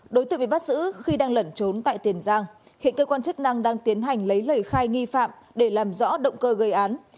đối tượng bị bắt giữ khi đang lẩn trốn tại tiền giang hiện cơ quan chức năng đang tiến hành lấy lời khai nghi phạm để làm rõ động cơ gây án